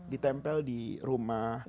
ditempel di rumah